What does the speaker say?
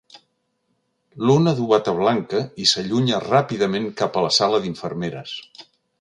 L'una du bata blanca i s'allunya ràpidament cap a la sala d'infermeres.